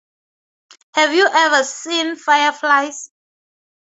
Have You Ever Seen Fireflies?